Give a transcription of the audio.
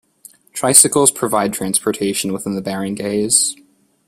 Tricycles provide transportation within the barangays.